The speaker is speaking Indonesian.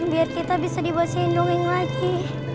biar kita bisa dibuat sindongeng lagi